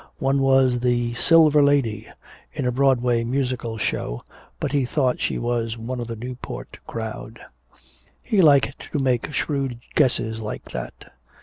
One was "The Silver Lady" in a Broadway musical show, but he thought she was "one of the Newport crowd." He liked to make shrewd guesses like that.